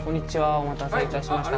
お待たせいたしました。